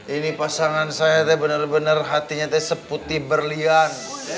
ini pasangan saya benar benar hatinya seputih berlian